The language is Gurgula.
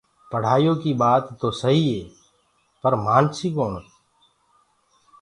پڙهآئيو ڪي ٻآت توسهيٚ پر مآنسيٚ ڪوڻ